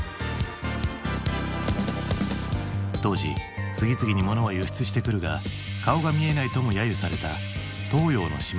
当時次々に物を輸出してくるが顔が見えないともやゆされた東洋の島国。